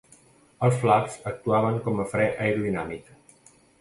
Els flaps actuaven com a fre aerodinàmic.